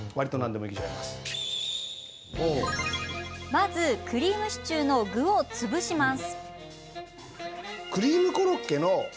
まず、クリームシチューの具を潰します。